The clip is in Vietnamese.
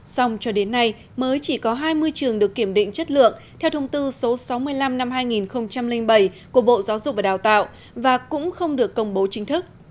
xong cho đến nay mới chỉ có hai mươi trường được kiểm định chất lượng theo thông tư số sáu mươi năm năm hai nghìn bảy của bộ giáo dục và đào tạo và cũng không được công bố chính thức